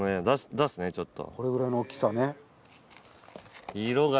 出すねちょっと。